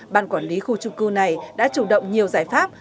ban quản lý khu trung cư này đã chủ động nhiều giải pháp